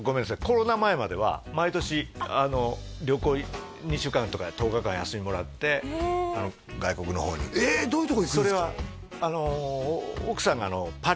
コロナ前までは毎年旅行２週間とか１０日間休みもらって外国の方にえっどういうとこ行くんですか？